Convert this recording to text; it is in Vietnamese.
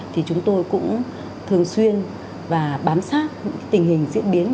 thì chúng tôi cũng thường xuyên và bám sát tình hình diễn biến